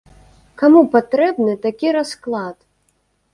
Каму патрэбны такі расклад?